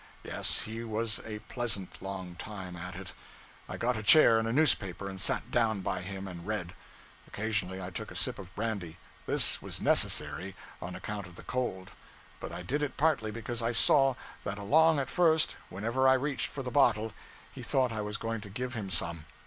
Yes, he was a pleasant long time at it. I got a chair and a newspaper, and sat down by him and read. Occasionally I took a sip of brandy. This was necessary, on account of the cold. But I did it partly because I saw, that along at first, whenever I reached for the bottle, he thought I was going to give him some.